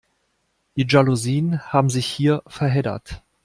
Die Jalousien haben sich hier verheddert.